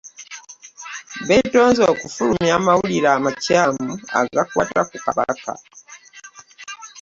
Beetonze olw'okufulumya amawulire amakyamu agakwata ku Kabaka.